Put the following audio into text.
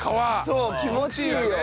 そう気持ちいいよ。